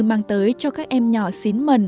mang tới cho các em nhỏ xín mần